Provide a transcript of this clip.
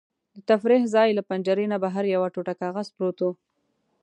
د تفریح ځای له پنجرې نه بهر یو ټوټه کاغذ پروت و.